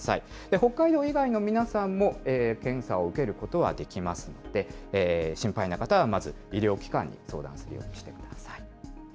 北海道以外の皆さんも、検査を受けることはできますので、心配な方はまず、医療機関に相談するようにしてください。